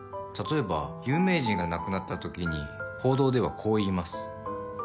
例えば有名人が亡くなったときに報道ではこう言います。